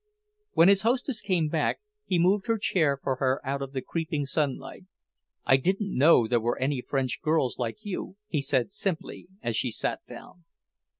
When his hostess came back, he moved her chair for her out of the creeping sunlight. "I didn't know there were any French girls like you," he said simply, as she sat down.